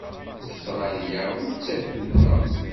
Ustṛalya ur d tagduda.